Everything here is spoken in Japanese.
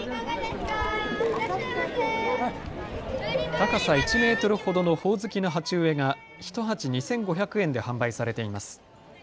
高さ１メートルほどのほおずきの鉢植えが１鉢２５００円で販売されています。